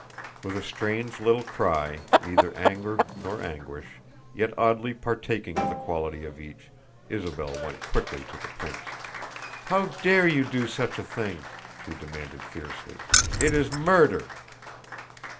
With a strange little cry, neither anger nor anguish, yet oddly partaking of the quality of each, Isabel went quickly to the prince. "How dare you do such a thing?" she demanded fiercely. "It is murder."